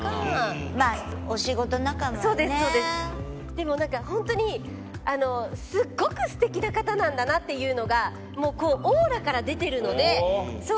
でもなんか本当にあのすごく素敵な方なんだなっていうのがもうオーラから出てるのでそう。